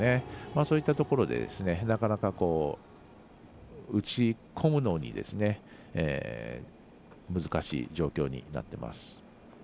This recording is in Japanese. そういったところでなかなか打ち込むのが難しい状況になっています。